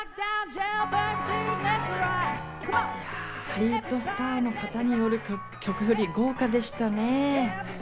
ハリウッドスターの方による曲振り、豪華でしたね。